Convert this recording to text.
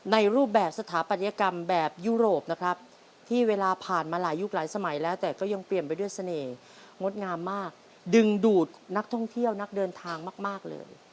รูปแบบสถาปัตยกรรมแบบยุโรปนะครับที่เวลาผ่านมาหลายยุคหลายสมัยแล้วแต่ก็ยังเปลี่ยนไปด้วยเสน่ห์งดงามมากดึงดูดนักท่องเที่ยวนักเดินทางมากเลย